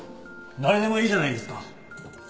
誰でもいいじゃないですか